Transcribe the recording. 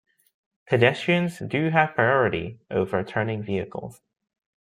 Pedestrians do have priority over turning vehicles.